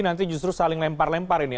nanti justru saling lempar lempar ini